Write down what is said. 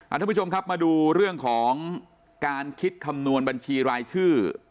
ทุกผู้ชมครับมาดูเรื่องของการคิดคำนวณบัญชีรายชื่อ